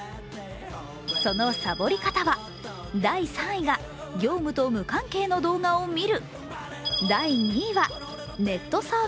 そのサボり方は、第３位が業務と無関係の動画を見る。